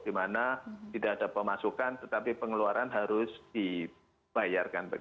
dimana tidak ada pemasukan tetapi pengeluaran harus dibayarkan